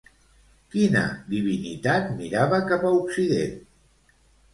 Quina divinitat mirava cap a occident?